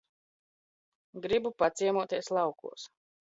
Gribu paciemoties laukos.